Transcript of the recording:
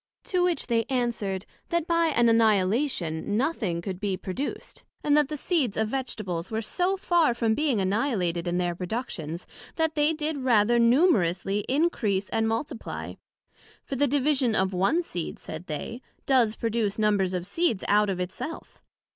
To which they answered, That by an Annihilation, nothing could be produced, and that the seeds of Vegetables were so far from being annihilated in their productions, that they did rather numerously increase and multiply; for the division of one seed, said they, does produce numbers of seeds out of it self.